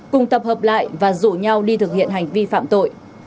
cùng tập hợp lại và rủ nhau đi thực hiện hành vi phạm tội